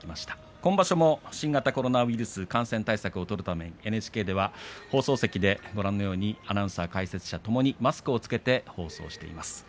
今場所も新型コロナウイルス感染対策を取るためＮＨＫでは放送席ではご覧のようにアナウンサー解説者ともにマスクを着けて放送しています。